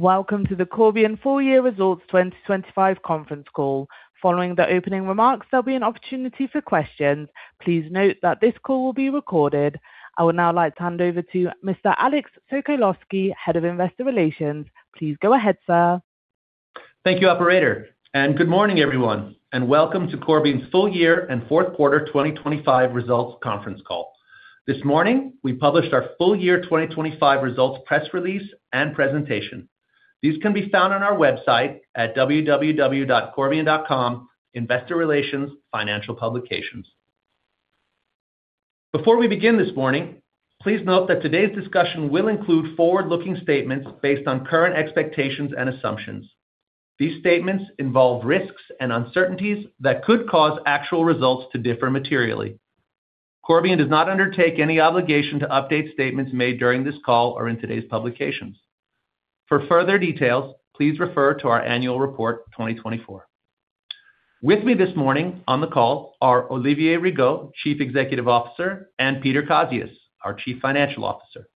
Welcome to the Corbion full year results 2025 conference call. Following the opening remarks, there'll be an opportunity for questions. Please note that this call will be recorded. I would now like to hand over to Mr. Alex Sokolowski, Head of Investor Relations. Please go ahead, sir. Thank you, operator. Good morning, everyone, and welcome to Corbion's full year and fourth quarter 2025 results conference call. This morning, we published our full year 2025 results, press release, and presentation. These can be found on our website at www.corbion.com, Investor Relations, Financial Publications. Before we begin this morning, please note that today's discussion will include forward-looking statements based on current expectations and assumptions. These statements involve risks and uncertainties that could cause actual results to differ materially. Corbion does not undertake any obligation to update statements made during this call or in today's publications. For further details, please refer to our annual report 2024. With me this morning on the call are Olivier Rigaud, Chief Executive Officer, and Peter Kazius, our Chief Financial Officer.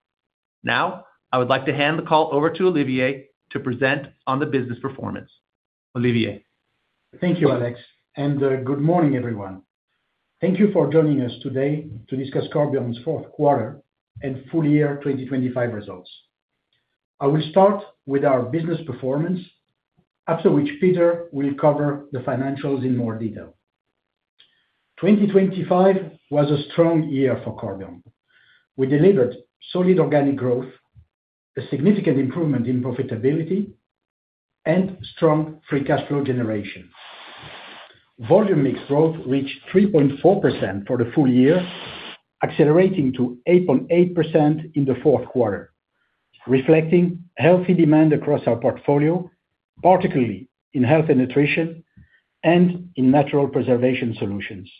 Now, I would like to hand the call over to Olivier to present on the business performance. Olivier? Thank you, Alex. Good morning, everyone. Thank you for joining us today to discuss Corbion's fourth quarter and full year 2025 results. I will start with our business performance, after which Peter will cover the financials in more detail. 2025 was a strong year for Corbion. We delivered solid organic growth, a significant improvement in profitability, and strong free cash flow generation. Volume mix growth reached 3.4% for the full year, accelerating to 8.8% in the fourth quarter, reflecting healthy demand across our portfolio, particularly in Health & Nutrition and in natural preservation solutions.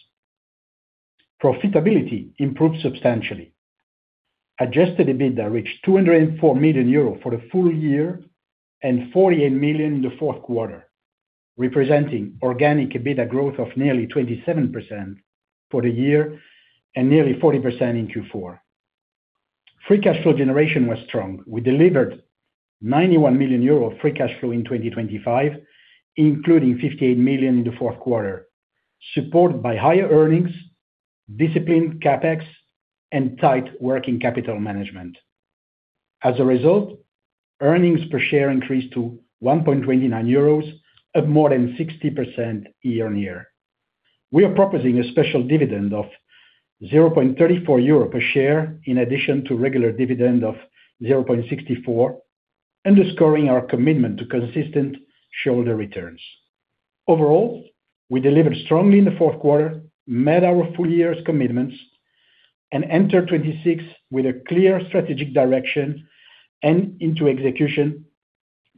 Profitability improved substantially. Adjusted EBITDA reached 204 million euro for the full year and 48 million in the fourth quarter, representing organic EBITDA growth of nearly 27% for the year and nearly 40% in Q4. Free cash flow generation was strong. We delivered 91 million euro of free cash flow in 2025, including 58 million in the fourth quarter, supported by higher earnings, disciplined CapEx, and tight working capital management. As a result, earnings per share increased to 1.29 euros, up more than 60% year-on-year. We are proposing a special dividend of 0.34 euro per share, in addition to regular dividend of 0.64, underscoring our commitment to consistent shareholder returns. Overall, we delivered strongly in the fourth quarter, met our full year's commitments, and entered 2026 with a clear strategic direction and into execution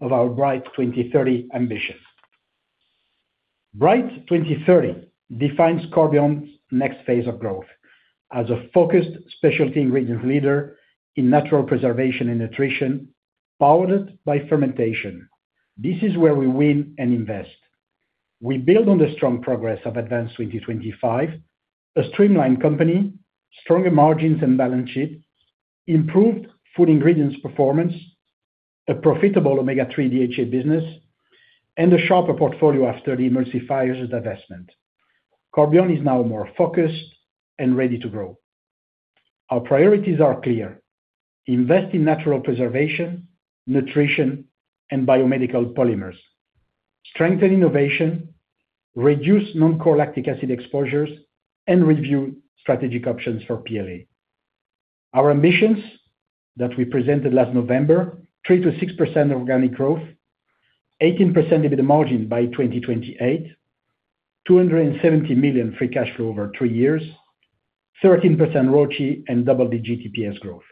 of our BRIGHT 2030 ambition. BRIGHT 2030 defines Corbion's next phase of growth as a focused specialty ingredient leader in natural preservation and nutrition, powered by fermentation. This is where we win and invest. We build on the strong progress of Advance 2025, a streamlined company, stronger margins and balance sheet, improved food ingredients performance, a profitable Omega-3 DHA business, and a sharper portfolio after the emulsifiers divestment. Corbion is now more focused and ready to grow. Our priorities are clear: Invest in natural preservation, nutrition, and biomedical polymers, strengthen innovation, reduce non-core lactic acid exposures, and review strategic options for PLA. Our ambitions that we presented last November, 3%-6% organic growth, 18% EBITDA margin by 2028, 270 million free cash flow over three years, 13% ROIC, and double the GTPS growth.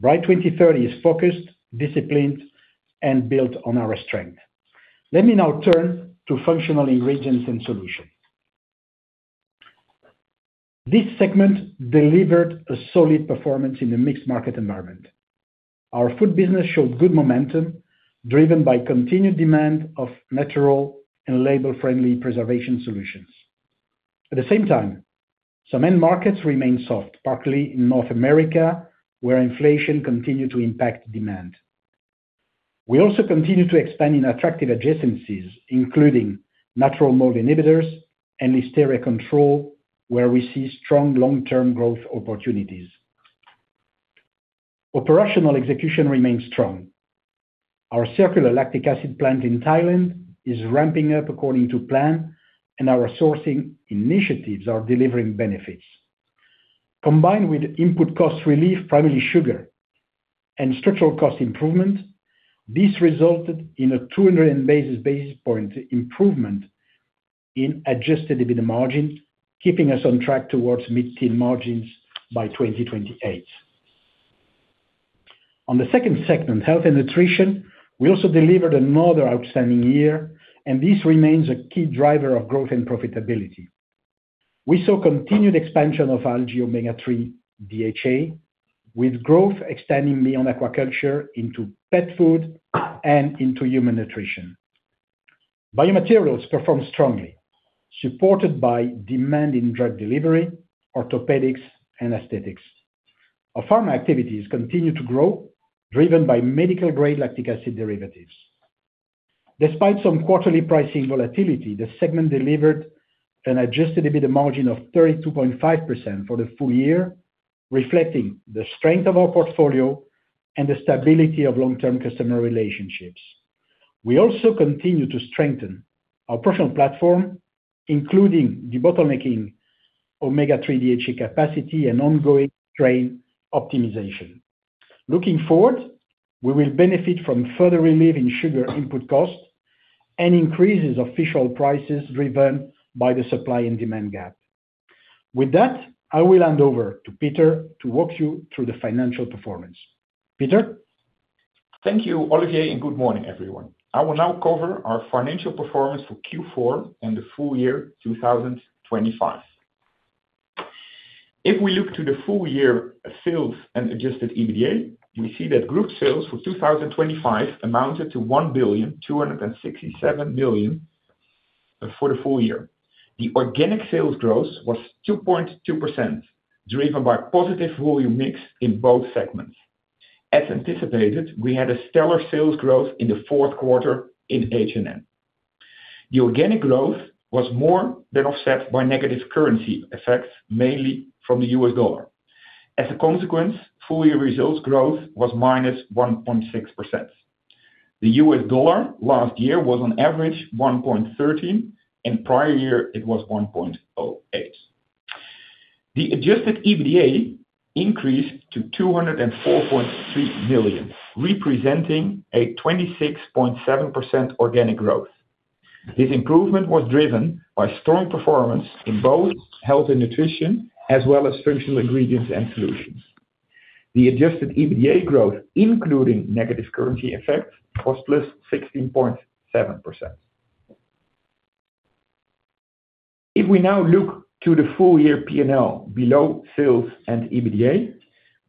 BRIGHT 2030 is focused, disciplined, and built on our strength. Let me now turn to Functional Ingredients & Solutions. This segment delivered a solid performance in the mixed market environment. Our food business showed good momentum, driven by continued demand of natural and labor-friendly preservation solutions. At the same time, some end markets remain soft, partly in North America, where inflation continued to impact demand. We also continue to expand in attractive adjacencies, including natural mold inhibitors and Listeria control, where we see strong long-term growth opportunities. Operational execution remains strong. Our circular lactic acid plant in Thailand is ramping up according to plan, and our sourcing initiatives are delivering benefits. Combined with input cost relief, primarily sugar and structural cost improvement, this resulted in a 200 basis point improvement in adjusted EBITDA margin, keeping us on track towards mid-teen margins by 2028. On the second segment, Health & Nutrition, we also delivered another outstanding year, and this remains a key driver of growth and profitability. We saw continued expansion of algae Omega-3 DHA, with growth extending beyond aquaculture, into pet food, and into human nutrition. Biomaterials performed strongly, supported by demand in drug delivery, orthopedics, and aesthetics. Our pharma activities continue to grow, driven by medical-grade lactic acid derivatives. Despite some quarterly pricing volatility, the segment delivered an adjusted EBITDA margin of 32.5% for the full year, reflecting the strength of our portfolio and the stability of long-term customer relationships. We also continue to strengthen our personal platform, including the bottlenecking Omega-3 DHA capacity and ongoing train optimization. Looking forward, we will benefit from further relieving sugar input costs and increases fish oil prices driven by the supply and demand gap. With that, I will hand over to Peter to walk you through the financial performance. Peter? Thank you, Olivier, and good morning, everyone. I will now cover our financial performance for Q4 and the full year 2025. If we look to the full year sales and adjusted EBITDA, we see that group sales for 2025 amounted to 1.267 billion for the full year. The organic sales growth was 2.2%, driven by positive volume mix in both segments. As anticipated, we had a stellar sales growth in the fourth quarter in H&N. The organic growth was more than offset by negative currency effects, mainly from the US dollar. As a consequence, full year results growth was -1.6%. The US dollar last year was on average 1.13, and prior year it was 1.08. The adjusted EBITDA increased to 204.3 million, representing a 26.7% organic growth. This improvement was driven by strong performance in both Health & Nutrition, as well as Functional Ingredients & Solutions. The adjusted EBITDA growth, including negative currency effect, was +16.7%. If we now look to the full year P&L below sales and EBITDA,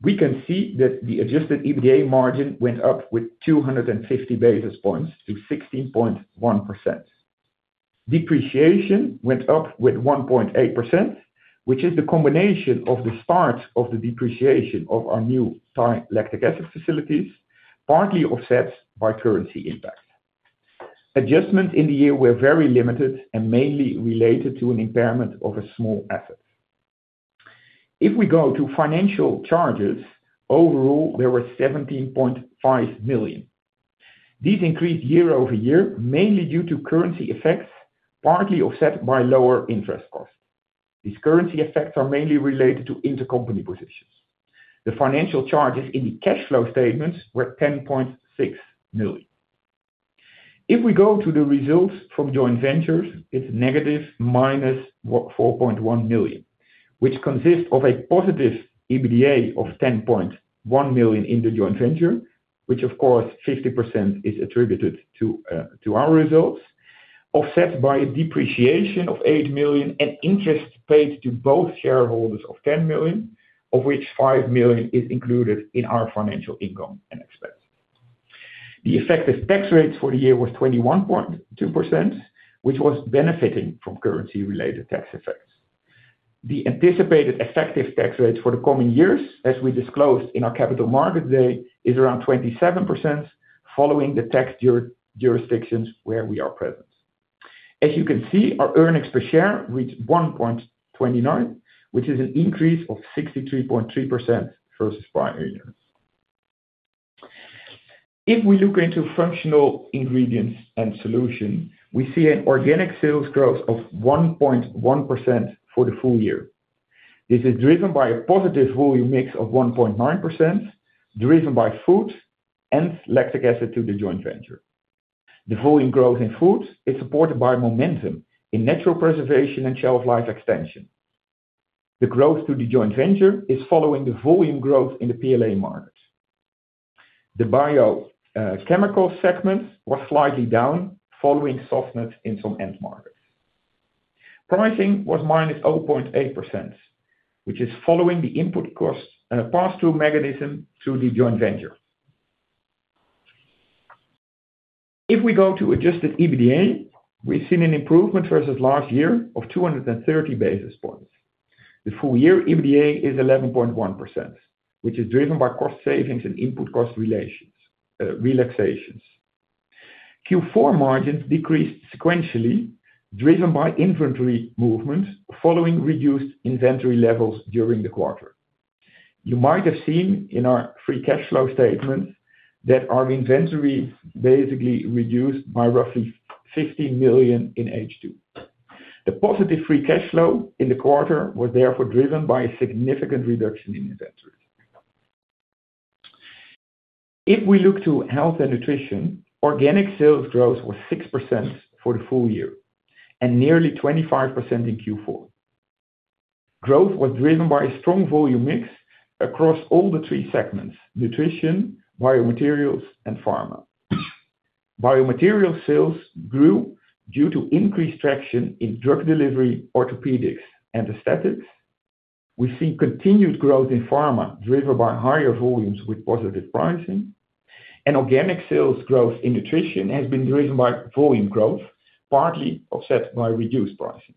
we can see that the adjusted EBITDA margin went up with 250 basis points to 16.1%. Depreciation went up with 1.8%, which is the combination of the start of the depreciation of our new Thai lactic acid facilities, partly offset by currency impact. Adjustments in the year were very limited and mainly related to an impairment of a small asset. If we go to financial charges, overall, there were 17.5 million. These increased year-over-year, mainly due to currency effects, partly offset by lower interest costs. These currency effects are mainly related to intercompany positions. The financial charges in the cash flow statements were 10.6 million. The results from joint ventures, it's negative -4.1 million, which consists of a positive EBITDA of 10.1 million in the joint venture, which of course, 50% is attributed to our results, offset by depreciation of 8 million and interest paid to both shareholders of 10 million, of which 5 million is included in our financial income and expense. The effective tax rates for the year was 21.2%, which was benefiting from currency-related tax effects. The anticipated effective tax rates for the coming years, as we disclosed in our Capital Market Day, is around 27%, following the tax jurisdictions where we are present. As you can see, our earnings per share reached 1.29, which is an increase of 63.3% versus prior year. If we look into Functional Ingredients & Solutions, we see an organic sales growth of 1.1% for the full year. This is driven by a positive volume mix of 1.9%, driven by food and lactic acid to the joint venture. The volume growth in food is supported by momentum in natural preservation and shelf life extension. The growth to the joint venture is following the volume growth in PLA market. The biochemical segment was slightly down following softness in some end markets. Pricing was -0.8%, which is following the input cost pass-through mechanism to the joint venture. We go to adjusted EBITDA, we've seen an improvement versus last year of 230 basis points. The full year EBITDA is 11.1%, which is driven by cost savings and input cost relaxations. Q4 margins decreased sequentially, driven by inventory movements following reduced inventory levels during the quarter. You might have seen in our free cash flow statement that our inventory basically reduced by roughly 50 million in H2. The positive free cash flow in the quarter was therefore driven by a significant reduction in inventory. We look to Health & Nutrition, organic sales growth was 6% for the full year and nearly 25% in Q4. Growth was driven by a strong volume mix across all the three segments: nutrition, biomaterials, and pharma. Biomaterial sales grew due to increased traction in drug delivery, orthopedics, and aesthetics. We see continued growth in pharma, driven by higher volumes with positive pricing. Organic sales growth in nutrition has been driven by volume growth, partly offset by reduced pricing.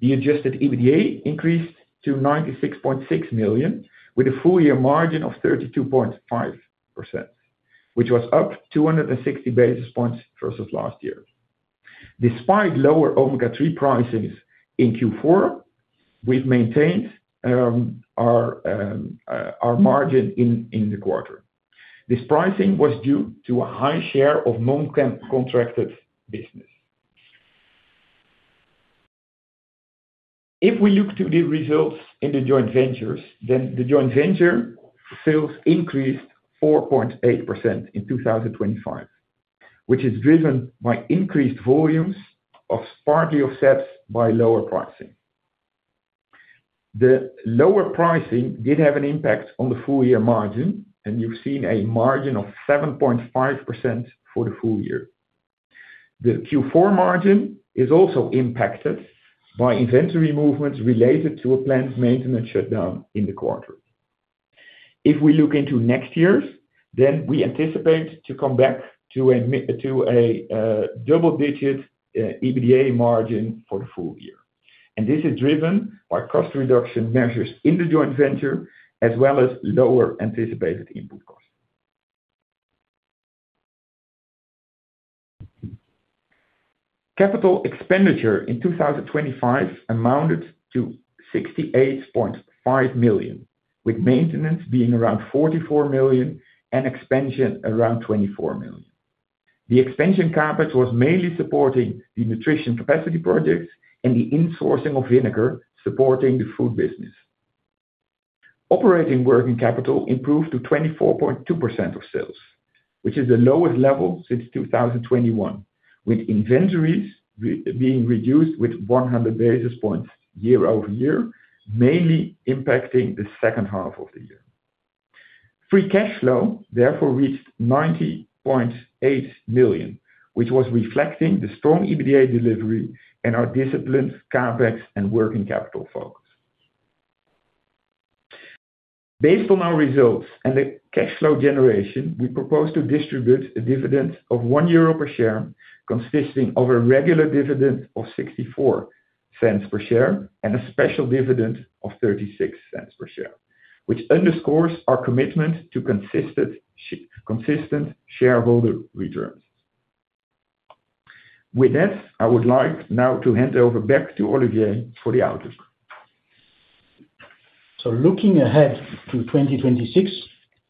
The adjusted EBITDA increased to 96.6 million, with a full year margin of 32.5%, which was up 260 basis points versus last year. Despite lower Omega-3 prices in Q4, we've maintained our margin in the quarter. This pricing was due to a high share of non-contracted business. If we look to the results in the joint ventures, the joint venture sales increased 4.8% in 2025, which is driven by increased volumes of, partly offset by lower pricing. The lower pricing did have an impact on the full year margin, you've seen a margin of 7.5% for the full year. The Q4 margin is also impacted by inventory movements related to a planned maintenance shutdown in the quarter. If we look into next years, we anticipate to come back to a double digit EBITDA margin for the full year. This is driven by cost reduction measures in the joint venture, as well as lower anticipated input costs. Capital expenditure in 2025 amounted to 68.5 million, with maintenance being around 44 million and expansion around 24 million. The expansion CapEx was mainly supporting the nutrition capacity projects and the insourcing of vinegar, supporting the food business. Operating working capital improved to 24.2% of sales, which is the lowest level since 2021, with inventories being reduced with 100 basis points year-over-year, mainly impacting the second half of the year. Free cash flow reached 90.8 million, which was reflecting the strong EBITDA delivery and our disciplined CapEx and working capital focus. Based on our results and the cash flow generation, we propose to distribute a dividend of 1 euro per share, consisting of a regular dividend of 0.64 per share, and a special dividend of 0.36 per share, which underscores our commitment to consistent shareholder returns. I would like now to hand over back to Olivier for the outlook. Looking ahead to 2026,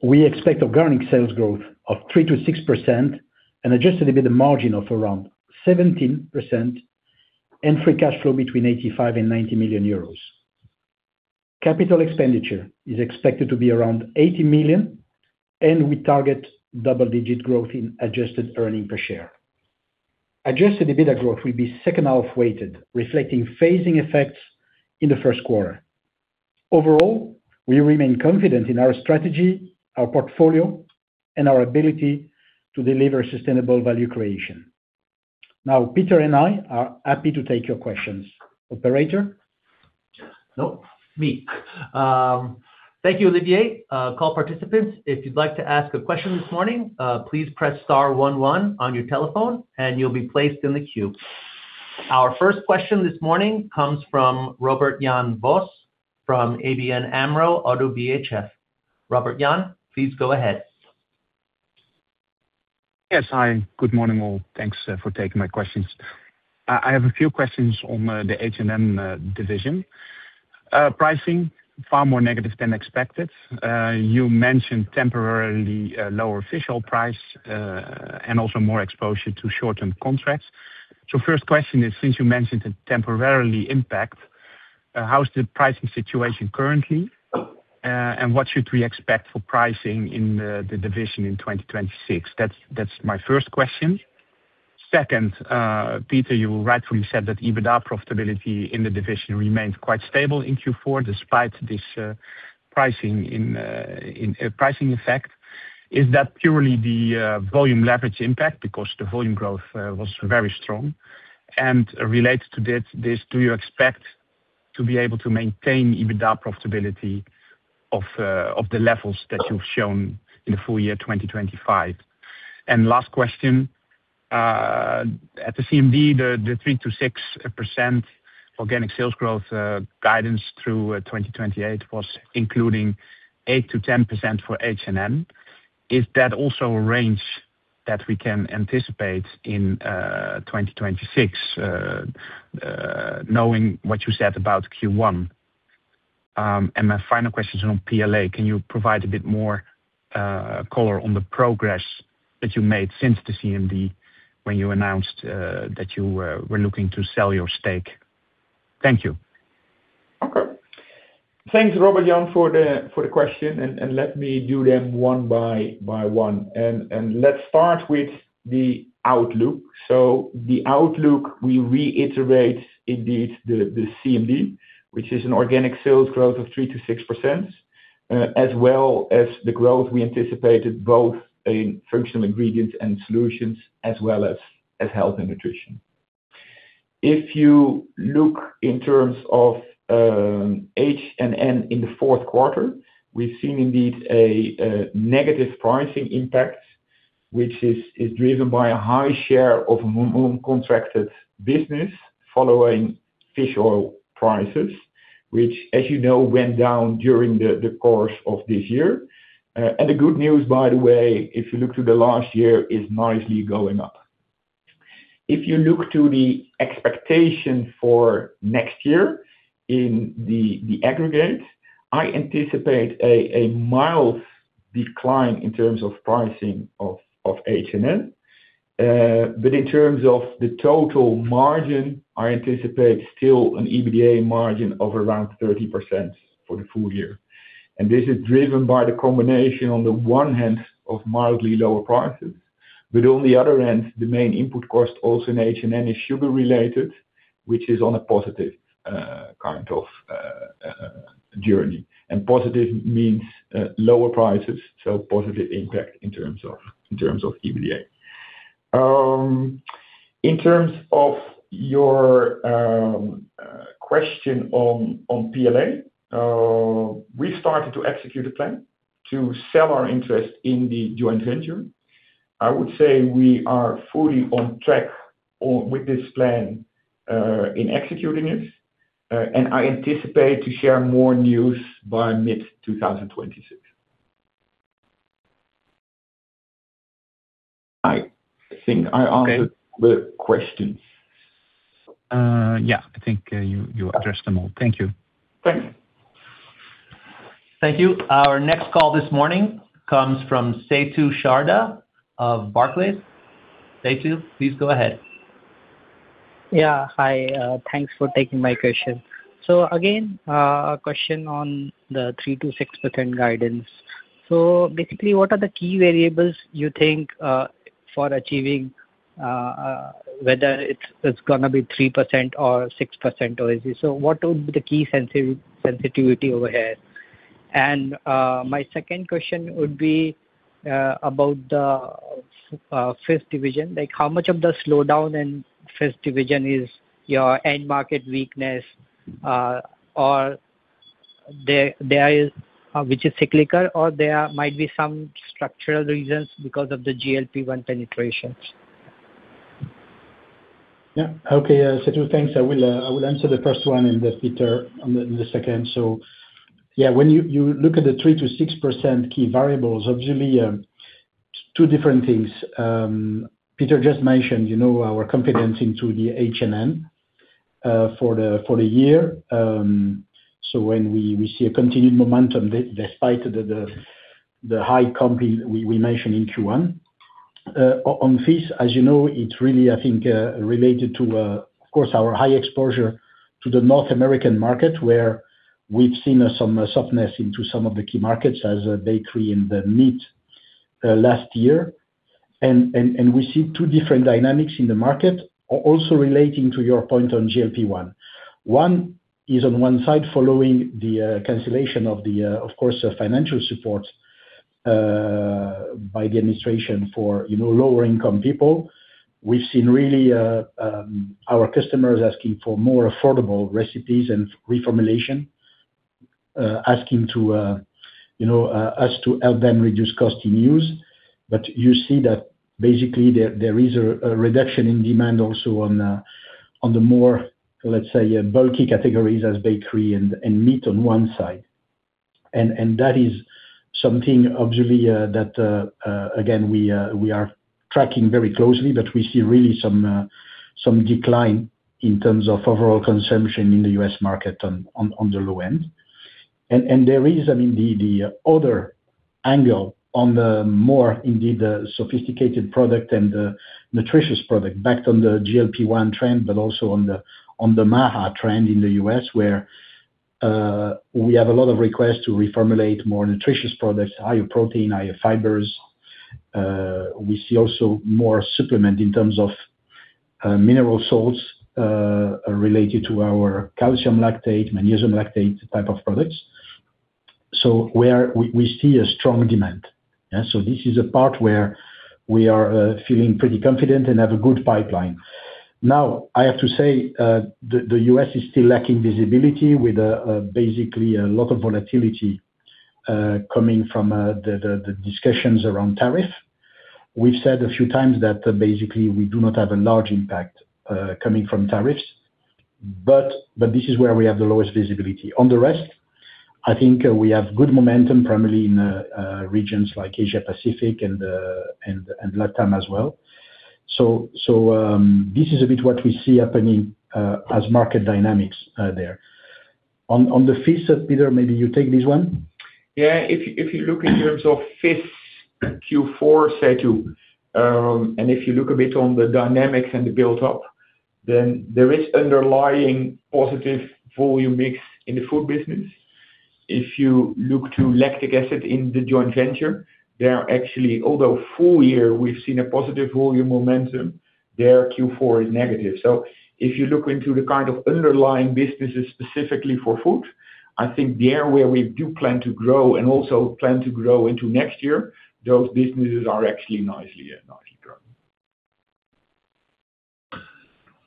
we expect organic sales growth of 3%-6% and adjusted EBITDA margin of around 17%, and free cash flow between 85 million and 90 million euros. Capital expenditure is expected to be around 80 million, and we target double-digit growth in adjusted earnings per share. Adjusted EBITDA growth will be second half weighted, reflecting phasing effects in the first quarter. Overall, we remain confident in our strategy, our portfolio, and our ability to deliver sustainable value creation. Now, Pieter and I are happy to take your questions. Operator? Thank you, Olivier. Call participants, if you'd like to ask a question this morning, please press star one on your telephone, and you'll be placed in the queue. Our first question this morning comes from Robert Jan Vos, from ABN AMRO - ODDO BHF. Robert Jan, please go ahead. Yes. Hi, good morning, all. Thanks for taking my questions. I have a few questions on the H&N division. Pricing, far more negative than expected. You mentioned temporarily lower official price and also more exposure to short-term contracts. First question is, since you mentioned it temporarily impact, how is the pricing situation currently? What should we expect for pricing in the division in 2026? That's my first question. Second, Peter, you rightfully said that EBITDA profitability in the division remained quite stable in Q4, despite this pricing effect. Is that purely the volume leverage impact? Because the volume growth was very strong. Related to this, do you expect to be able to maintain EBITDA profitability of the levels that you've shown in the full year 2025? Last question, at the CMD, the 3%-6% organic sales growth guidance through 2028 was including 8%-10% for H&N. Is that also a range that we can anticipate in 2026, knowing what you said about Q1? My final question is on PLA. Can you provide a bit more color on the progress that you made since the CMD, when you announced that you were looking to sell your stake? Thank you. Okay. Thanks, Robert Jan, for the question, and let me do them one by one. Let's start with the outlook. The outlook, we reiterate indeed, the CMD, which is an organic sales growth of 3% to 6% as well as the growth we anticipated, both in Functional Ingredients & Solutions, as well as Health & Nutrition. If you look in terms of H&N in the fourth quarter, we've seen indeed a negative pricing impact, which is driven by a high share of non-contracted business following fish oil prices, which, as you know, went down during the course of this year. The good news, by the way, if you look to the last year, is nicely going up. If you look to the expectation for next year in the aggregate, I anticipate a mild decline in terms of pricing of H&N. In terms of the total margin, I anticipate still an EBITDA margin of around 30% for the full year. This is driven by the combination, on the one hand, of mildly lower prices, but on the other hand, the main input cost also in H&N is sugar related, which is on a positive kind of journey. Positive means lower prices, so positive impact in terms of EBITDA. In terms of your question on PLA, we started to execute a plan to sell our interest in the joint venture. I would say we are fully on track with this plan, in executing it, and I anticipate to share more news by mid 2026. Okay. The questions. Yeah, I think, you addressed them all. Thank you. Thank you. Thank you. Our next call this morning comes from Setu Sharda of Barclays. Setu, please go ahead. Yeah. Hi, thanks for taking my question. A question on the 3%-6% guidance. What are the key variables you think for achieving whether it's gonna be 3% or 6% or is this... What would be the key sensitivity over here? My second question would be about the FIS division. Like, how much of the slowdown in FIS division is your end market weakness or which is cyclical, or there might be some structural reasons because of the GLP-1 penetration? Yeah. Okay, Setu, thanks. I will, I will answer the first one, and then Peter, on the second. When you look at the 3%-6% key variables, obviously, two different things. Peter just mentioned, you know, our confidence into the H&N for the year. When we see a continued momentum despite the high company we mentioned in Q1. On fees, as you know, it's really, I think, related to, of course, our high exposure to the North American market, where we've seen some softness into some of the key markets as bakery and the meat last year. And we see two different dynamics in the market, also relating to your point on GLP-1. One is on one side, following the cancellation of the, of course, the financial support by the administration for, you know, lower income people. We've seen really our customers asking for more affordable recipes and reformulation, asking to, you know, us to help them reduce cost in use. But you see that basically there is a reduction in demand also on the more, let's say, bulky categories as bakery and meat on one side. And that is something obviously that again, we are tracking very closely, but we see really some decline in terms of overall consumption in the US market on the low end. There is, I mean, the other angle on the more indeed, sophisticated product and the nutritious product, backed on the GLP-1 trend, but also on the MAHA trend in the U.S., where we have a lot of requests to reformulate more nutritious products, higher protein, higher fibers. We see also more supplement in terms of mineral salts, related to our calcium lactate, magnesium lactate type of products. Where we see a strong demand. Yeah, so this is a part where we are feeling pretty confident and have a good pipeline. I have to say, the U.S. is still lacking visibility with, basically a lot of volatility, coming from the discussions around tariff. We've said a few times that basically we do not have a large impact, coming from tariffs, but this is where we have the lowest visibility. On the rest, I think, we have good momentum, primarily in regions like Asia, Pacific and Latin as well. This is a bit what we see happening, as market dynamics there. On the fees, Peter, maybe you take this one? Yeah. If you look in terms of fees, Q4, Setu, and if you look a bit on the dynamics and the build up, then there is underlying positive volume mix in the food business. If you look to lactic acid in the joint venture, there are actually. Although full year, we've seen a positive volume momentum, their Q4 is negative. If you look into the kind of underlying businesses, specifically for food, I think there where we do plan to grow and also plan to grow into next year, those businesses are actually nicely.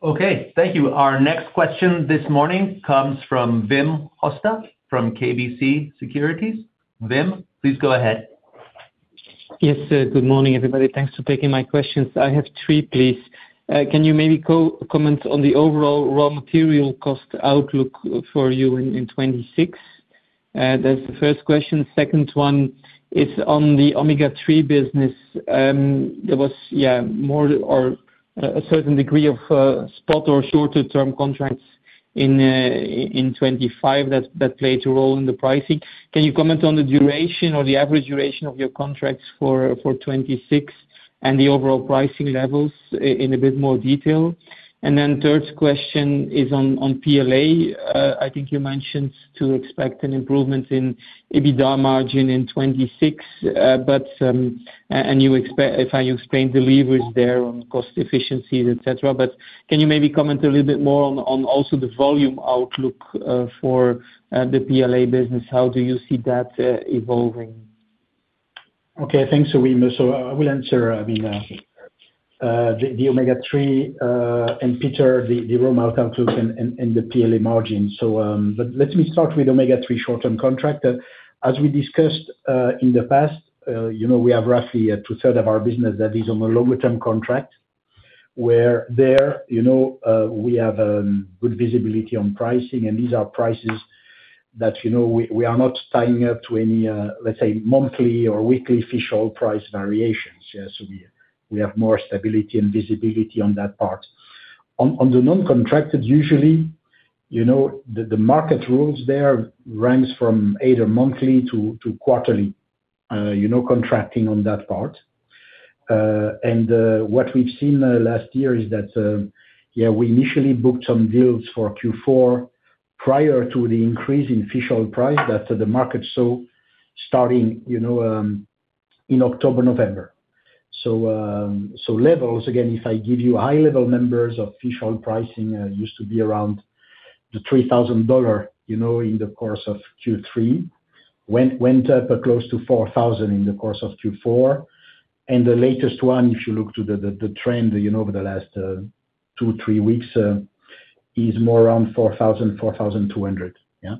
Okay, thank you. Our next question this morning comes from Wim Hoste, from KBC Securities. Wim, please go ahead. Yes, sir. Good morning, everybody. Thanks for taking my questions. I have three, please. Can you maybe comment on the overall raw material cost outlook for you in 2026? That's the first question. Second one is on the omega-3 business. There was more or a certain degree of spot or shorter term contracts in 2025 that played a role in the pricing. Can you comment on the duration or the average duration of your contracts for 2026 and the overall pricing levels in a bit more detail? Third question is on PLA. I think you mentioned to expect an improvement in EBITDA margin in 2026, but and you expect... If I understand the levers there on cost efficiencies, et cetera. Can you maybe comment a little bit more on also the volume outlook for the PLA business? How do you see that evolving? Okay, thanks, Wim. I will answer, I mean, the omega-3 and Peter, the raw material outlook and the PLA margin. But let me start with omega-3 short-term contract. As we discussed, in the past, you know, we have roughly two thirds of our business that is on a longer term contract, where there, you know, we have good visibility on pricing, and these are prices that, you know, we are not tying up to any, let's say, monthly or weekly fish oil price variations. We have more stability and visibility on that part. On the non-contracted, usually, you know, the market rules there runs from either monthly to quarterly, you know, contracting on that part. What we've seen last year is that, yeah, we initially booked some deals for Q4 prior to the increase in fish oil price that the market saw starting, you know, in October, November. Levels, again, if I give you high level numbers of fish oil pricing, used to be around the $3,000, you know, in the course of Q3. Went up close to $4,000 in the course of Q4. The latest one, if you look to the trend, you know, over the last two, three weeks, is more around $4,000-$4,200. Yeah.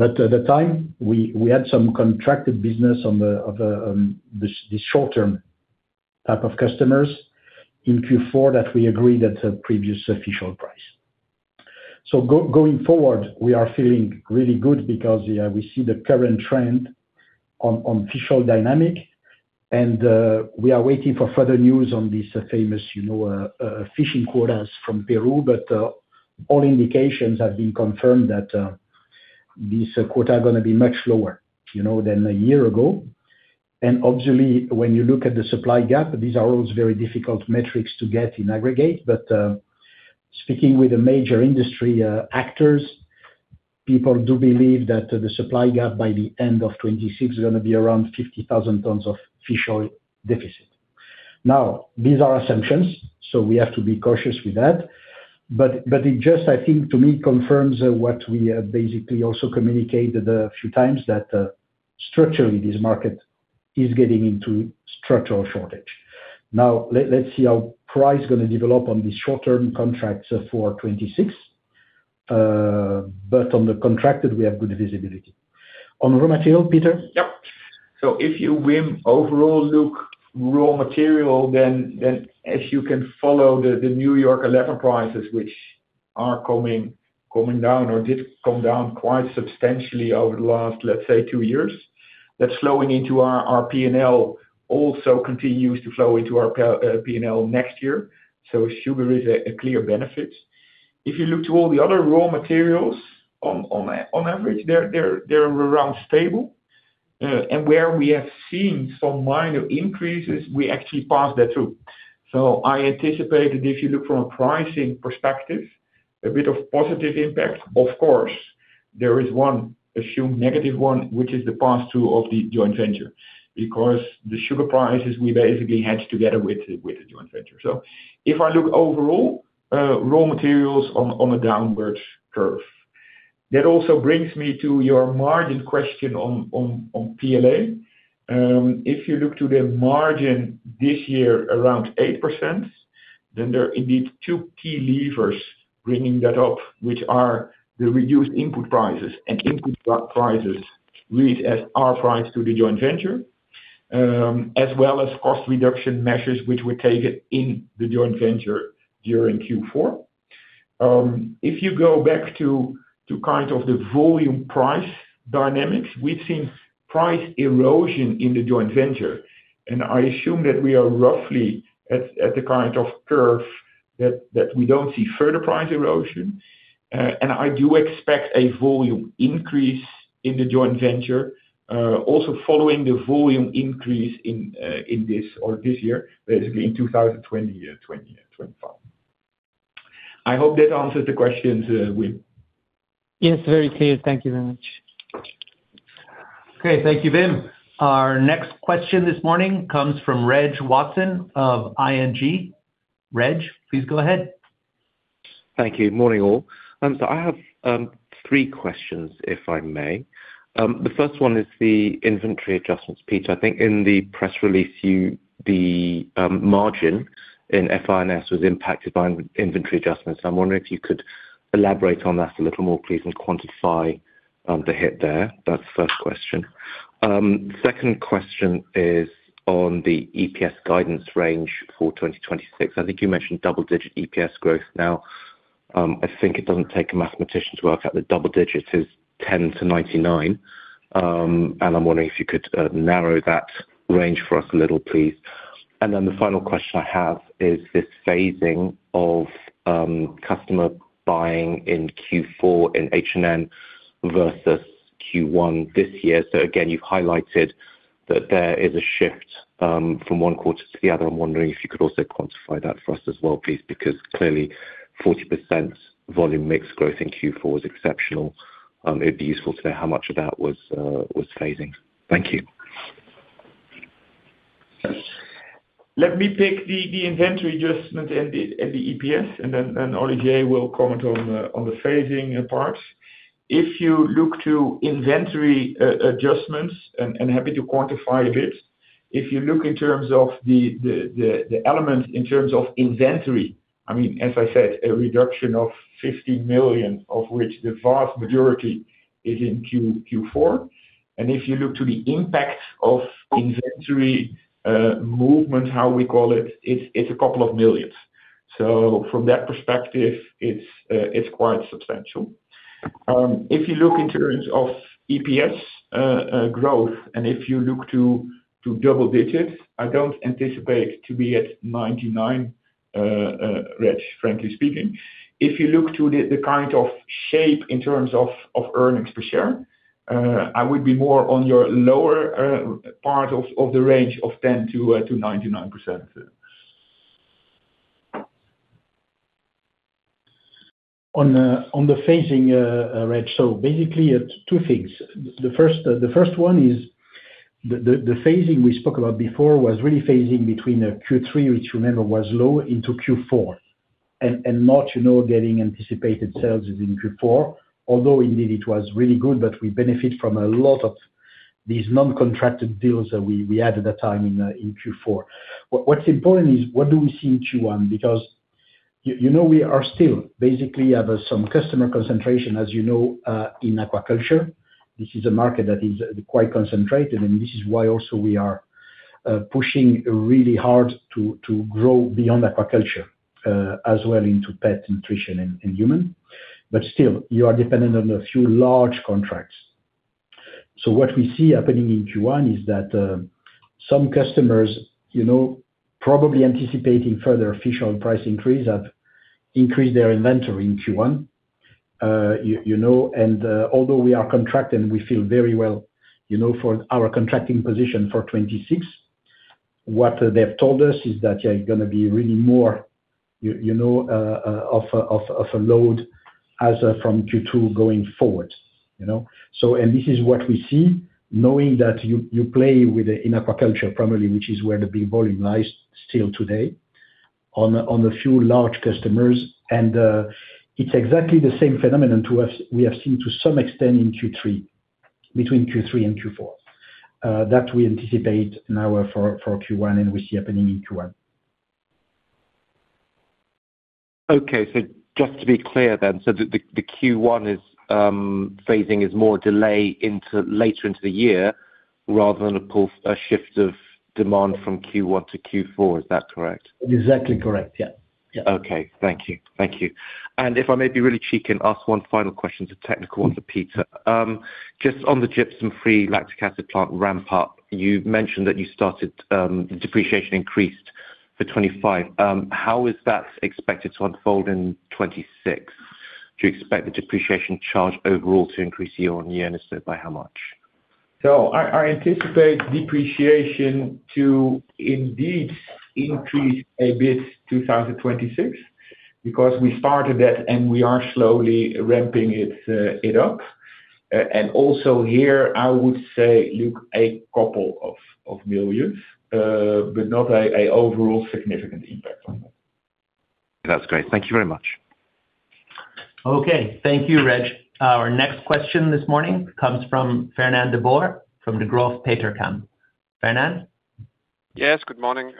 At the time, we had some contracted business on the short-term type of customers in Q4 that we agreed at a previous fish oil price. Going forward, we are feeling really good because, yeah, we see the current trend on fish oil dynamic, and we are waiting for further news on this famous, you know, fishing quotas from Peru. All indications have been confirmed that these quota are gonna be much lower, you know, than a year ago. Obviously, when you look at the supply gap, these are always very difficult metrics to get in aggregate, speaking with the major industry actors, people do believe that the supply gap by the end of 2026 is gonna be around 50,000 tons of fish oil deficit. These are assumptions, so we have to be cautious with that, but it just, I think, to me, confirms what we basically also communicated a few times, that structurally, this market is getting into structural shortage. Let's see how price gonna develop on these short-term contracts for 26. On the contracted, we have good visibility. On raw material, Peter? Yep. If you, Wim, overall look raw material, then as you can follow the New York No. 11 prices, which are coming down or did come down quite substantially over the last, let's say, two years, that's slowing into our P&L, also continues to flow into our P&L next year, sugar is a clear benefit. If you look to all the other raw materials, on average, they're around stable. Where we have seen some minor increases, we actually passed that through. I anticipate that if you look from a pricing perspective, a bit of positive impact. Of course, there is one, assume negative one, which is the past two of the joint venture, because the sugar prices, we basically hedged together with the joint venture. If I look overall, raw materials on a downward curve. That also brings me to your margin question on, on PLA. If you look to the margin this year, around 8%, there are indeed two key levers bringing that up, which are the reduced input prices and input prices, read as our price to the joint venture, as well as cost reduction measures, which we taken in the joint venture during Q4. If you go back to kind of the volume price dynamics, we've seen price erosion in the joint venture, and I assume that we are roughly at the kind of curve that we don't see further price erosion. I do expect a volume increase in the joint venture, also following the volume increase in this or this year, basically in 2020 and 2021. I hope that answers the questions, Wim. Yes, very clear. Thank you very much. Okay. Thank you, Wim. Our next question this morning comes from Reginald Watson of ING. Reg, please go ahead. Thank you. Morning, all. I have 3 questions, if I may. The first one is the inventory adjustments. Peter, I think in the press release, the margin in FINS was impacted by in-inventory adjustments. I'm wondering if you could elaborate on that a little more, please, and quantify the hit there. That's the first question. Second question is on the EPS guidance range for 2026. I think you mentioned double-digit EPS growth now. I think it doesn't take a mathematician to work out the double digits is 10-99. I'm wondering if you could narrow that range for us a little, please. The final question I have is this phasing of customer buying in Q4, in H&N versus Q1 this year. Again, you've highlighted that there is a shift from 1 quarter to the other. I'm wondering if you could also quantify that for us as well, please, because clearly 40% volume mix growth in Q4 was exceptional. It'd be useful to know how much of that was phasing. Thank you. Let me take the inventory adjustment and the EPS. Then Olivier will comment on the phasing parts. If you look to inventory adjustments, happy to quantify a bit. If you look in terms of the elements in terms of inventory, I mean, as I said, a reduction of 50 million, of which the vast majority is in Q4. If you look to the impact of inventory movement, how we call it's a couple of millions. From that perspective, it's quite substantial. If you look in terms of EPS growth, if you look to double digits, I don't anticipate to be at 99, Reg, frankly speaking. If you look to the kind of shape in terms of earnings per share, I would be more on your lower part of the range of 10%-99%. On the phasing, Reg, basically it's two things. The first one is the phasing we spoke about before was really phasing between the Q3, which remember, was low into Q4, and not, you know, getting anticipated sales in Q4. Indeed it was really good, but we benefit from a lot of these non-contracted deals that we had at that time in Q4. What's important is, what do we see in Q1? Because you know, we are still basically have some customer concentration, as you know, in aquaculture. This is a market that is quite concentrated, and this is why also we are pushing really hard to grow beyond aquaculture, as well into pet nutrition and human. Still, you are dependent on a few large contracts. What we see happening in Q1 is that some customers, you know, probably anticipating further official price increase have increased their inventory in Q1. You know, although we are contracting, we feel very well, you know, for our contracting position for 2026. What they have told us is that you're gonna be really more, you know, of a load as a from Q2 going forward, you know? This is what we see, knowing that you play with the in aquaculture, primarily, which is where the big volume lies still today, on a few large customers. It's exactly the same phenomenon to us, we have seen to some extent in Q3, between Q3 and Q4. That we anticipate now for Q1, and we see happening in Q1. Okay. Just to be clear then, so the Q1 is phasing is more delay into later into the year rather than a shift of demand from Q1 to Q4. Is that correct? Exactly correct. Yeah. Yeah. Okay. Thank you. Thank you. If I may be really cheeky and ask one final question to Peter, just on the gypsum-free lactic acid plant ramp up, you mentioned that you started, depreciation increased for 2025. How is that expected to unfold in 2026? Do you expect the depreciation charge overall to increase year-over-year, and if so, by how much? I anticipate depreciation to indeed increase a bit 2026, because we started that and we are slowly ramping it up. And also here, I would say, look, a couple of million, but not a overall significant impact on that. That's great. Thank you very much. Okay. Thank you, Reg. Our next question this morning comes from Fernand de Boer from Degroof Petercam. Fernand? Yes, good morning.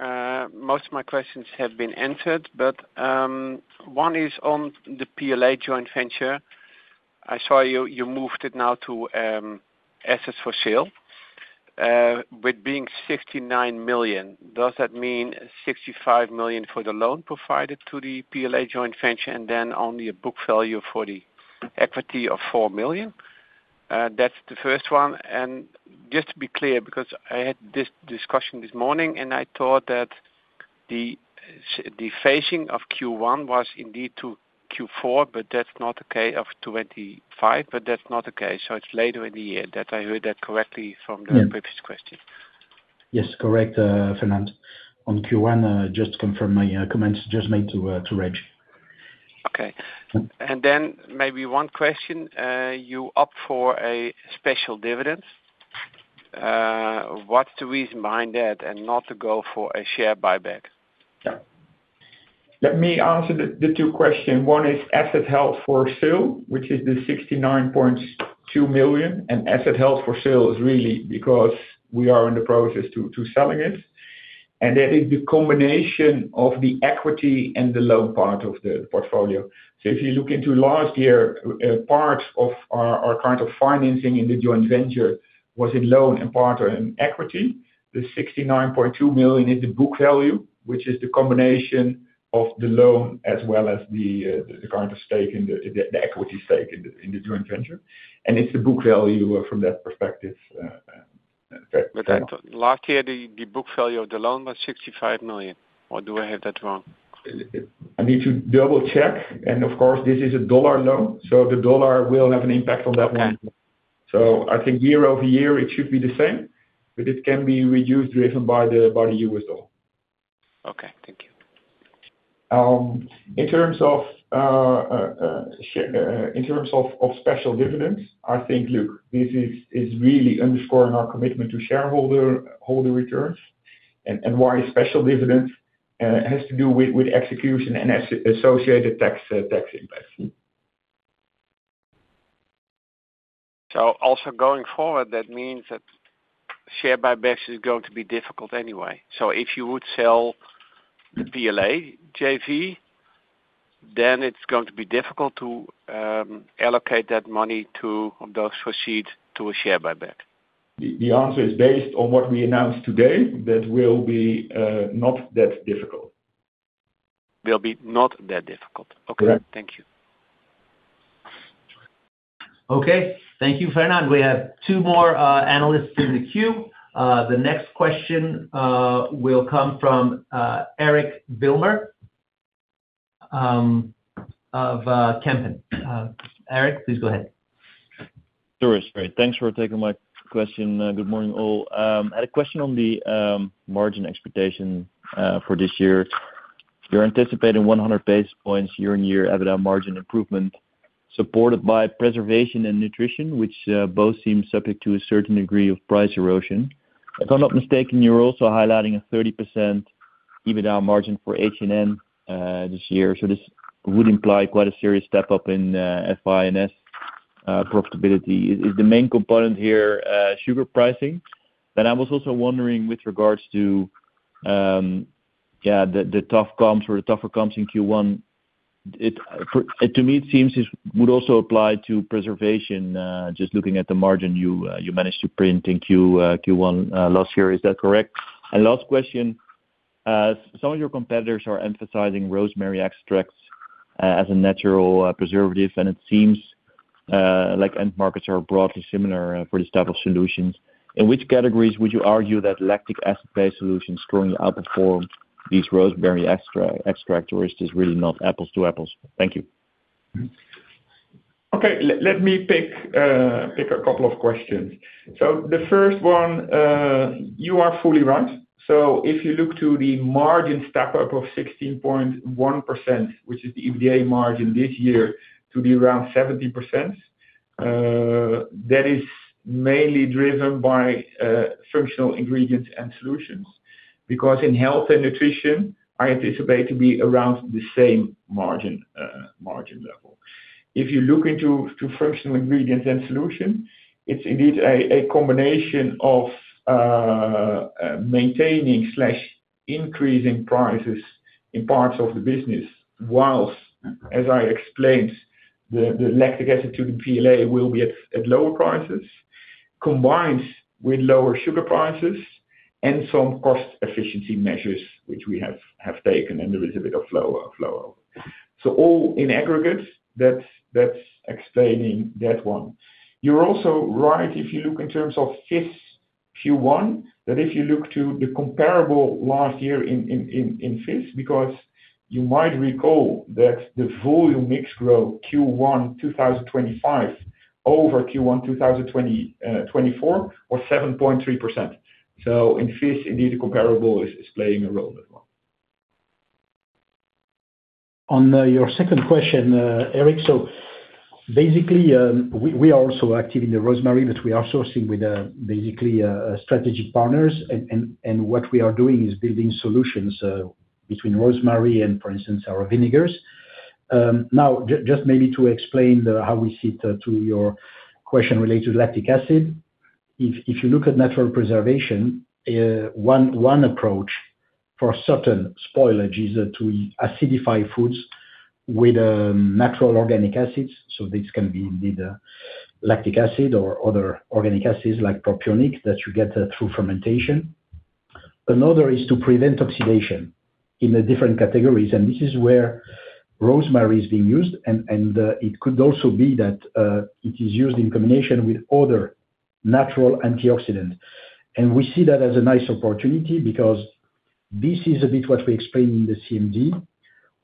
Most of my questions have been answered, but one is on the PLA joint venture. I saw you moved it now to assets for sale, with being 69 million. Does that mean 65 million for the loan provided to the PLA joint venture, and then only a book value for the equity of 4 million? That's the first one. Just to be clear, because I had this discussion this morning, and I thought that the phasing of Q1 was indeed to Q4, but that's not the case of 2025, but that's not the case. It's later in the year that I heard that correctly from the- Yeah. Previous question. Yes, correct, Fernand, on Q1, just to confirm my comments just made to Reg. Okay. Maybe one question, you opt for a special dividend? What's the reason behind that and not to go for a share buyback? Yeah. Let me answer the two questions. One is asset held for sale, which is the 69.2 million, asset held for sale is really because we are in the process to selling it. That is the combination of the equity and the loan part of the portfolio. If you look into last year, part of our current of financing in the joint venture, was in loan and part in equity. The 69.2 million is the book value, which is the combination of the loan as well as the current stake in the equity stake in the joint venture. It's the book value from that perspective. Last year, the book value of the loan was 65 million, or do I have that wrong? I need to double check, and of course, this is a dollar loan, so the dollar will have an impact on that one. Okay. I think year over year, it should be the same, but it can be reduced, driven by the USO. Okay, thank you. In terms of share, in terms of special dividends, I think, look, this is really underscoring our commitment to shareholder returns and why special dividends has to do with execution and associated tax impacts. Also going forward, that means that share buybacks is going to be difficult anyway. If you would sell the PLA JV, then it's going to be difficult to allocate that money to those proceeds, to a share buyback. The answer is based on what we announced today, that will be not that difficult. Will be not that difficult. Correct. Okay, thank you. Thank you, Fernand. We have two more analysts in the queue. The next question will come from Eric Wilmer of Kempen. Eric, please go ahead. Sure. Great, thanks for taking my question. Good morning, all. I had a question on the margin expectation for this year. You're anticipating 100 basis points year-on-year EBITDA margin improvement, supported by preservation and nutrition, which both seem subject to a certain degree of price erosion. If I'm not mistaken, you're also highlighting a 30% EBITDA margin for H&N this year. This would imply quite a serious step up in FIS profitability. Is the main component here sugar pricing? I was also wondering with regards to, yeah, the tough comps or the tougher comps in Q1. To me, it seems it would also apply to preservation, just looking at the margin you managed to print in Q1 last year. Is that correct? Last question, some of your competitors are emphasizing rosemary extracts as a natural preservative, and it seems like end markets are broadly similar for this type of solutions. In which categories would you argue that lactic acid-based solutions currently outperforming these rosemary extractors is really not apples to apples? Thank you. Okay. Let me pick a couple of questions. The first one, you are fully right. If you look to the margin step up of 16.1%, which is the EBITDA margin this year, to be around 70%, that is mainly driven by Functional Ingredients & Solutions. In Health & Nutrition, I anticipate to be around the same margin level. If you look into Functional Ingredients & Solutions, it's indeed a combination of maintaining/increasing prices in parts of the business, whilst, as I explained, the lactic acid to the PLA will be at lower prices, combined with lower sugar prices and some cost efficiency measures, which we have taken, and there is a bit of flow. All in aggregate, that's explaining that one. You're also right, if you look in terms of FIS Q1, that if you look to the comparable last year in FIS, because you might recall that the volume mix growth Q1 2025 over Q1 2024 was 7.3%. In FIS, indeed, the comparable is playing a role as well. On your second question, Eric. Basically, we are also active in the rosemary, but we are sourcing with strategic partners. What we are doing is building solutions between rosemary and for instance, our vinegars. Now, just maybe to explain the how we see to your question related to lactic acid. If you look at natural preservation, one approach for certain spoilage is to acidify foods with natural organic acids, so this can be either lactic acid or other organic acids, like propionic, that you get through fermentation. Another is to prevent oxidation in the different categories, and this is where rosemary is being used, and it could also be that it is used in combination with other natural antioxidants. We see that as a nice opportunity because this is a bit what we explained in the CMD.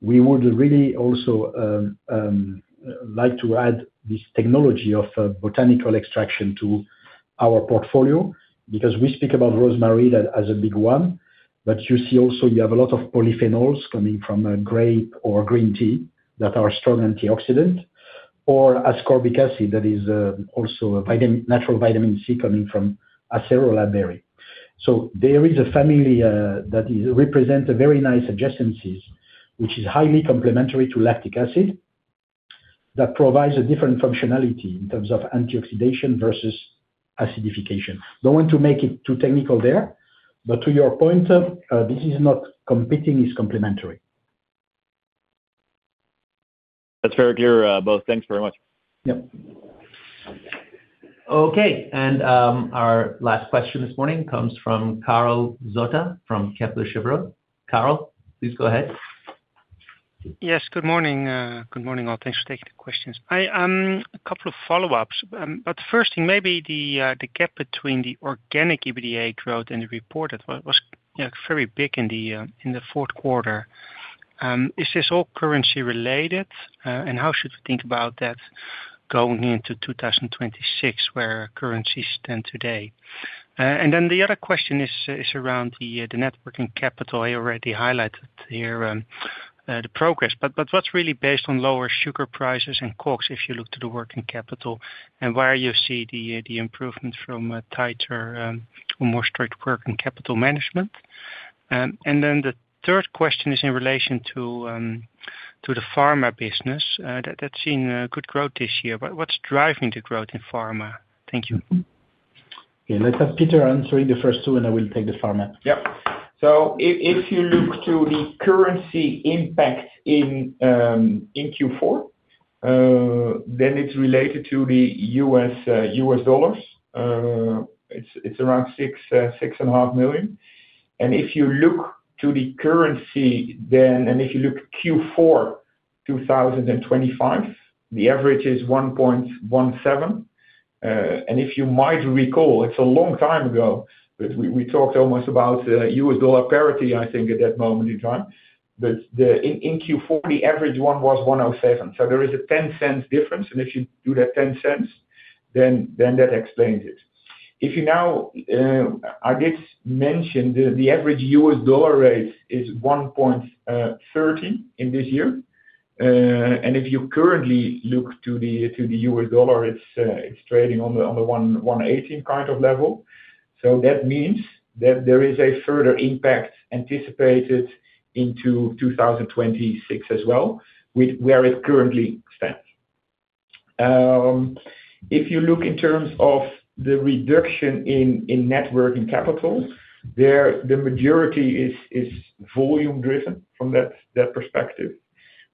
We would really also like to add this technology of botanical extraction to our portfolio, because we speak about rosemary as a big one. You see also you have a lot of polyphenols coming from a grape or green tea that are strong antioxidant. Or ascorbic acid, that is also a vitamin, natural vitamin C coming from acerola berry. There is a family that is represent a very nice adjacencies, which is highly complementary to lactic acid, that provides a different functionality in terms of antioxidation versus acidification. Don't want to make it too technical there, but to your point, this is not competing, it's complementary. That's very clear, both. Thanks very much. Okay. Our last question this morning comes from Karel Zoete, from Kepler Cheuvreux. Karel, please go ahead. Yes, good morning. Good morning, all. Thanks for taking the questions. A couple of follow-ups. First, maybe the gap between the organic EBITDA growth and the reported was, you know, very big in the fourth quarter. Is this all currency related? How should we think about that going into 2026, where currencies stand today? The other question is around the networking capital. I already highlighted here the progress, but what's really based on lower sugar prices and COGS, if you look to the working capital, and where you see the improvement from a tighter or more strict working capital management? The third question is in relation to the pharma business that's seen a good growth this year. What's driving the growth in pharma? Thank you. Okay, let's have Peter answer the first two, and I will take the pharma. Yep. If you look to the currency impact in Q4, then it's related to the US dollars. It's around $6.5 million. If you look to the currency Q4 2025, the average is $1.17. If you might recall, it's a long time ago, but we talked almost about US dollar parity, I think, at that moment in time. In Q4, the average one was $1.07, so there is a $0.10 difference. If you do that $0.10 then that explains it. If you now, I did mention the average US dollar rate is $1.30 in this year. If you currently look to the US dollar, it's trading on the $1.18 kind of level. That means that there is a further impact anticipated into 2026 as well, with where it currently stands. If you look in terms of the reduction in net working capital, there, the majority is volume driven from that perspective.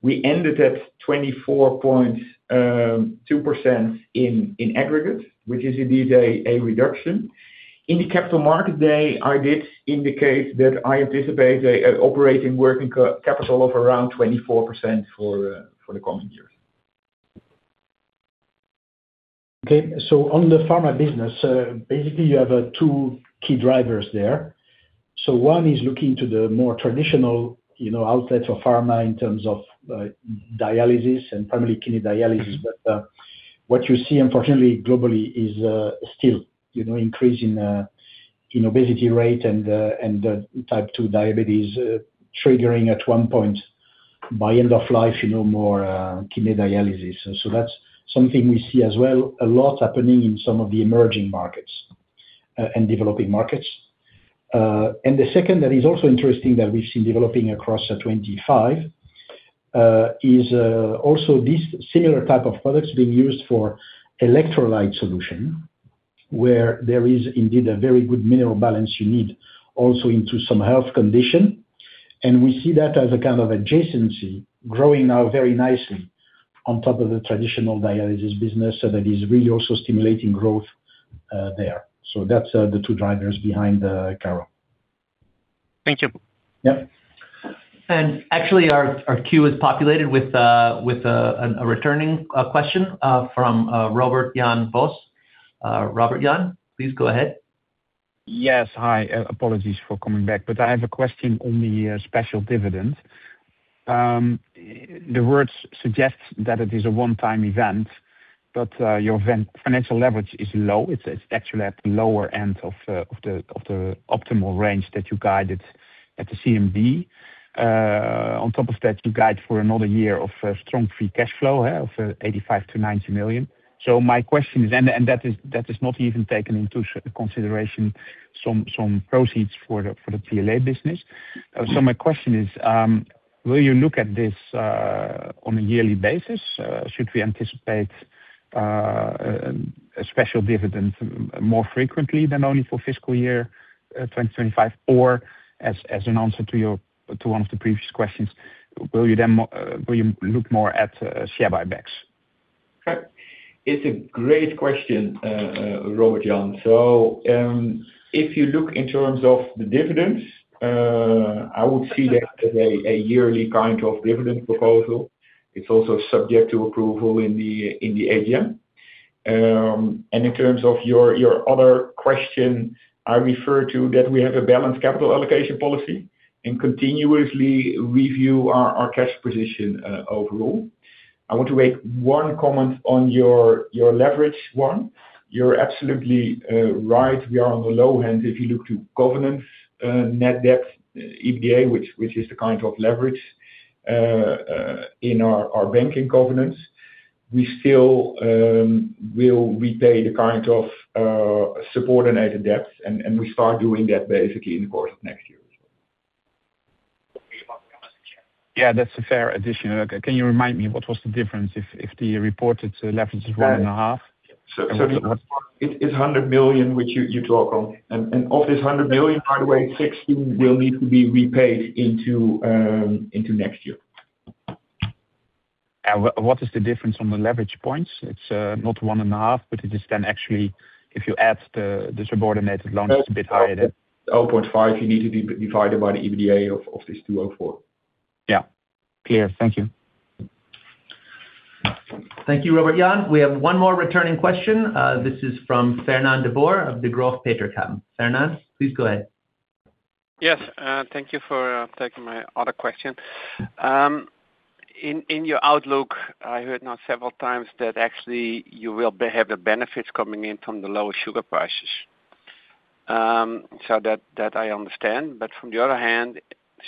We ended at 24.2% in aggregate, which is indeed a reduction. In the capital market day, I did indicate that I anticipate a operating working capital of around 24% for the coming years. On the pharma business, basically, you have two key drivers there. One is looking to the more traditional, you know, outlets of pharma in terms of dialysis and primarily kidney dialysis. What you see unfortunately, globally is still, you know, increasing in obesity rate and type 2 diabetes, triggering at one point by end of life, you know, more kidney dialysis. That's something we see as well, a lot happening in some of the emerging markets and developing markets. And the second, that is also interesting, that we've seen developing across the 2025, is also this similar type of products being used for electrolyte solution, where there is indeed a very good mineral balance you need also into some health condition. We see that as a kind of adjacency growing now very nicely on top of the traditional dialysis business. That is really also stimulating growth there. That's the two drivers behind Karel. Thank you. Yep. Actually, our queue is populated with a returning question from Robert Jan Vos. Robert Jan, please go ahead. Yes. Hi, apologies for coming back, but I have a question on the special dividend. The words suggest that it is a one-time event, but your financial leverage is low. It's actually at the lower end of the optimal range that you guided at the CMD. On top of that, you guide for another year of strong free cash flow of 85 million-90 million. My question is, and that is not even taken into consideration some proceeds for the PLA business. My question is, will you look at this on a yearly basis? Should we anticipate a special dividend more frequently than only for fiscal year 2025, or as an answer to one of the previous questions, will you then look more at share buybacks? Okay. It's a great question, Robert Jan. If you look in terms of the dividends, I would see that as a yearly kind of dividend proposal. It's also subject to approval in the AGM. In terms of your other question, I refer to that we have a balanced capital allocation policy and continuously review our cash position overall. I want to make one comment on your leverage one. You're absolutely right, we are on the low end. If you look to governance, net debt, EBITDA, which is the kind of leverage in our banking covenants, we still will repay the kind of subordinated debt, and we start doing that basically in the course of next year. Yeah, that's a fair addition. Okay, can you remind me what was the difference if the reported leverage is one and a half? It's 100 million, which you talk on. Of this 100 million, by the way, 60 will need to be repaid into next year. What is the difference on the leverage points? It's not one and a half, but it is then actually, if you add the subordinated loans, it's a bit higher. Oh, 0.5, you need to divide it by the EBITDA of this 204. Yeah. Clear. Thank you. Thank you, Robert Jan. We have one more returning question. This is from Fernand de Boer of Degroof Petercam. Fernand, please go ahead. Yes, thank you for taking my other question. In your outlook, I heard now several times that actually you will be have the benefits coming in from the lower sugar prices. That I understand, but from the other hand,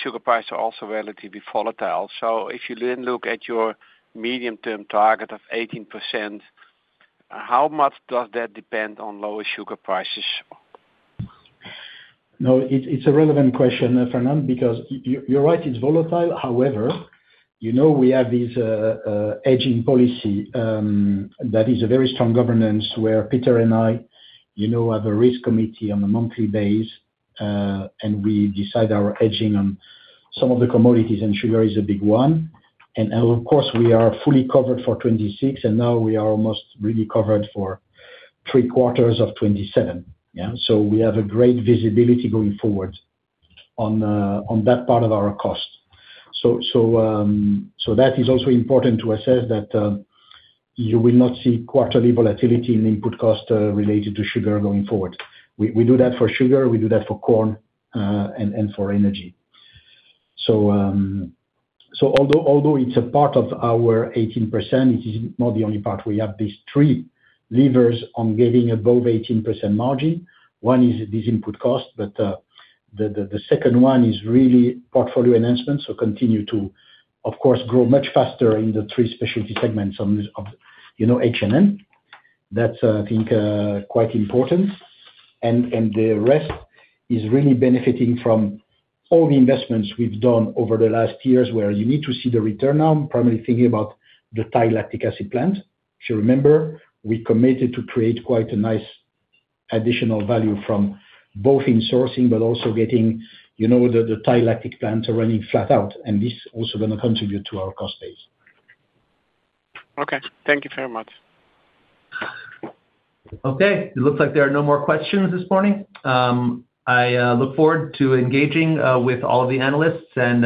sugar prices are also relatively volatile. If you then look at your medium-term target of 18%, how much does that depend on lower sugar prices? It's a relevant question, Fernand, because you're right, it's volatile. However, you know, we have this aging policy that is a very strong governance, where Peter and I, you know, have a risk committee on a monthly basis. We decide our hedging on some of the commodities, and sugar is a big one. Of course, we are fully covered for 2026, and now we are almost really covered for three quarters of 2027. We have a great visibility going forward on that part of our cost. That is also important to assess that you will not see quarterly volatility in input cost related to sugar going forward. We do that for sugar, we do that for corn, and for energy. Although it's a part of our 18%, it is not the only part. We have these three levers on getting above 18% margin. One is this input cost, but the second one is really portfolio enhancements, so continue to, of course, grow much faster in the three specialty segments on this, on, you know, H&N. That's, I think, quite important. And the rest is really benefiting from all the investments we've done over the last years, where you need to see the return now, primarily thinking about the Thai lactic acid plant. If you remember, we committed to create quite a nice additional value from both in sourcing, but also getting, you know, the Thai lactic plants are running flat out, and this also gonna contribute to our cost base. Okay. Thank you very much. It looks like there are no more questions this morning. I look forward to engaging with all of the analysts and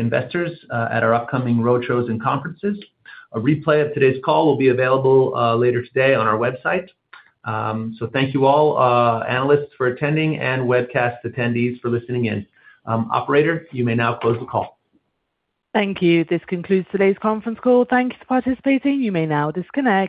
investors at our upcoming roadshows and conferences. A replay of today's call will be available later today on our website. Thank you all analysts for attending, and webcast attendees for listening in. Operator, you may now close the call. Thank you. This concludes today's conference call. Thank you for participating. You may now disconnect.